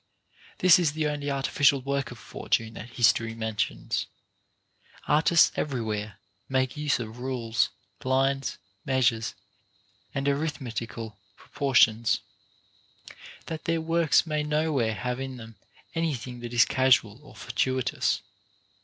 This is the only artificial work of Fortune that history mentions. Artists everywhere make use of rules, lines, measures, and arithmetical proportions, that their works may nowhere have in them any thing that is casual or fortuitous.